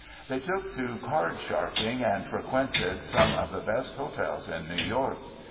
They took to card sharping, and frequented some of the best hotels in New York.